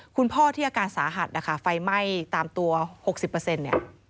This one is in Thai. คุณพ่อที่อาการสาหัสนะคะไฟไหม้ตามตัวหกสิบเปอร์เซ็นต์เนี่ย